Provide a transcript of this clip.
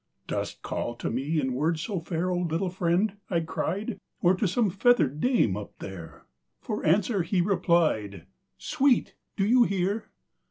"Dost call to me, in words so fair, O little friend?" I cried; "Or to some feathered dame up there?" For answer he replied: "Sweet, do you hear?"